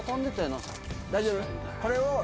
大丈夫？